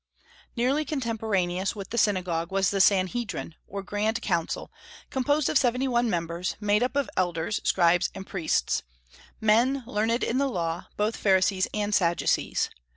Nearly contemporaneous with the synagogue was the Sanhedrim, or Grand Council, composed of seventy one members, made up of elders, scribes, and priests, men learned in the law, both Pharisees and Sadducees.